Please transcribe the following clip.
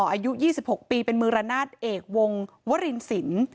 อายุยี่สิบหกปีเป็นมือร้านนาฏเอกวงวรินสิน